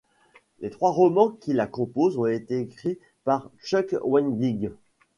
Les trois romans qui la composent ont été écrits par Chuck Wendig.